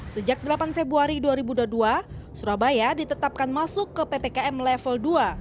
sejak delapan februari dua ribu dua puluh dua surabaya ditetapkan masuk ke ppkm level dua